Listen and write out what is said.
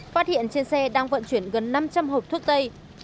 phát hiện trên xe đang vận chuyển gần năm trăm linh hộp thuốc tây